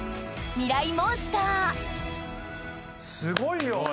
すごいよ！